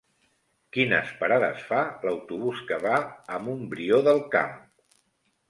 Quines parades fa l'autobús que va a Montbrió del Camp?